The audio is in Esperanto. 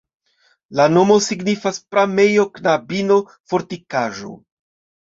La nomo signifas: pramejo-knabino-fortikaĵo.